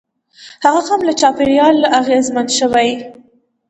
هغه هم له چاپېریال اغېزمن شوی.